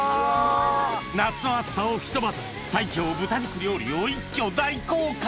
夏の暑さを吹き飛ばす最強豚肉料理を一挙大公開！